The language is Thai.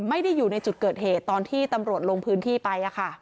ไม่ได้อยู่ในจุดเกิดเหตุตอนที่ตำรวจลงพื้นที่ไป